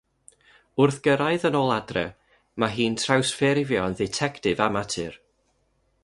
Wrth gyrraedd yn ôl adref, mae hi'n trawsffurfio yn dditectif amatur.